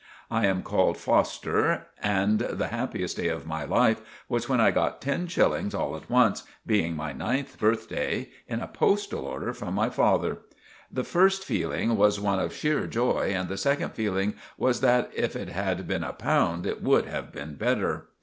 I am called Foster and the hapiest day of my life was when I got ten shillings all at once, being my ninth birthday in a postal order from my father. The first fealing was one of shere joy, and the second fealing was that if it had been a pound it would have been better.